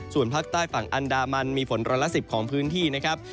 ส่วนภาคใต้ฝั่งอันดามันมีฝนร้อยละ๑๐ของพื้นที่นะครับ